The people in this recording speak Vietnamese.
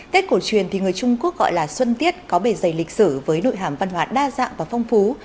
tết cổ truyền thì người trung quốc gọi là xuân tiết có bề dày lịch sử với nội hàm văn hóa đa dạng và phong phú